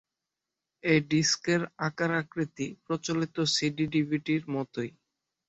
এই ডিস্কের আকার-আকৃতি প্রচলিত সিডি-ডিভিডির মতোই।